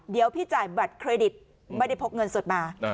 เดี๋ยวพี่จ่ายบัตรเครดิตไม่ได้พกเงินสดมา